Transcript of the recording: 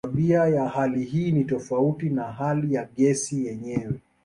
Tabia ya hali hii ni tofauti na hali ya gesi yenyewe.